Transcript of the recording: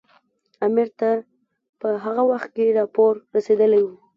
امیر ته په هغه وخت کې راپور رسېدلی وو.